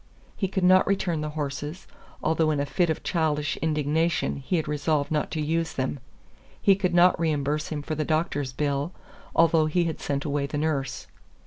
He could not return the horses, although in a fit of childish indignation he had resolved not to use them; he could not reimburse him for the doctor's bill, although he had sent away the nurse.